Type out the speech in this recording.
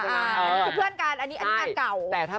อเอยคือเพื่อนกันอันนี้กันกล่าว